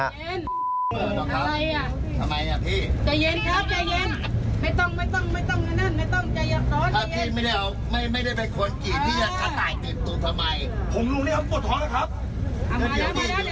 อะไรอ่ะ